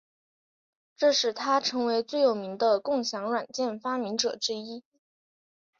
这使他成为最有名的共享软件发明者之一。